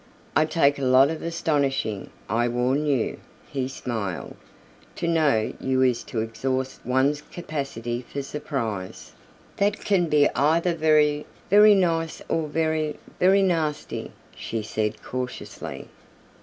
"I take a lot of astonishing, I warn you," he smiled; "to know you is to exhaust one's capacity for surprise." "That can be either very, very nice or very, very nasty," she said cautiously.